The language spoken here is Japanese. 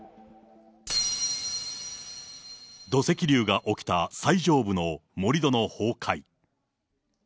土石流が起きた最上部の盛り土の崩壊。